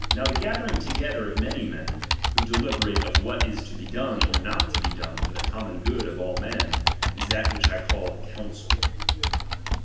Now the gathering together of many men, who deliberate of what is to be done or not to be done for the cominon good of all men, is that which I call a coitncil.